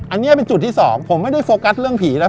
อันนี้เป็นจุดที่สองผมไม่ได้โฟกัสเรื่องผีแล้ว